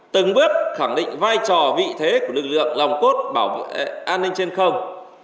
từng bước khẳng định vai trò vị thế của lực lượng lòng cốt bảo vệ an ninh trên không